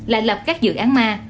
là lập các dự án ma